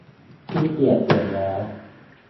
ขี้เกียจเขียนแล้ว